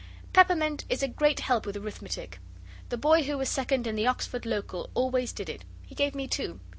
Peppermint is a great help with arithmetic. The boy who was second in the Oxford Local always did it. He gave me two.